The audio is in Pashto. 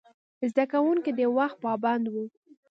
زده کوونکي د وخت پابند وو.